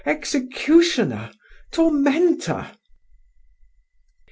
executioner, tormentor.